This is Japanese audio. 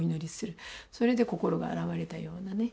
それで心が洗われたようなね